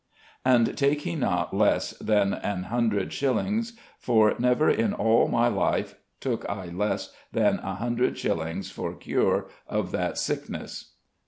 And take he not less than an hundred shillyns, for never in als my life took I less than an hundred shillyns for cure of that sekeness."